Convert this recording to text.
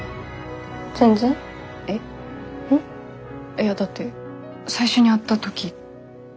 いやだって最初に会った時。